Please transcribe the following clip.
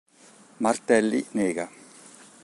Martelli nega.